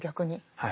はい。